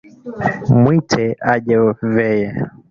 Mwite aje veye